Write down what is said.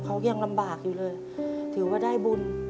เขายังลำบากอยู่เลยถือว่าได้บุญ